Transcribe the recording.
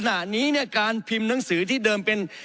ขณะนี้เนี่ยการพิมพ์หนังสือที่เดิมเป็น